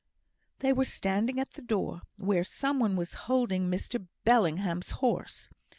They were standing at the door, where some one was holding Mr Bellingham's horse.